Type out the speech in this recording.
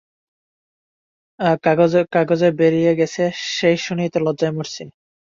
কাগজে বেরিয়ে গেছে সেই শুনেই তো লজ্জায় মরছি।